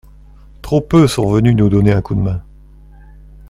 Trop peu sont venus nous donner un coup de main.